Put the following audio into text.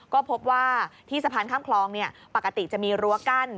ก็พบว่าที่สะพานข้ามคลองปกติจะมีรั้วกั้น